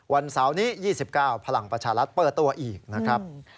เสาร์นี้๒๙พลังประชารัฐเปิดตัวอีกนะครับ